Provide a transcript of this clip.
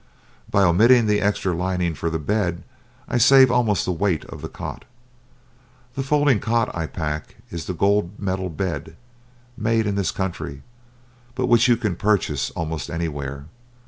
By omitting the extra lining for the bed, I save almost the weight of the cot. The folding cot I pack is the Gold Medal Bed, made in this country, but which you can purchase almost anywhere.